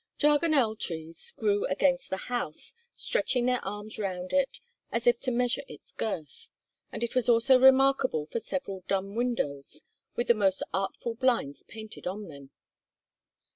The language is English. Jargonelle trees grew against the house, stretching their arms round it as if to measure its girth, and it was also remarkable for several "dumb" windows with the most artful blinds painted on them.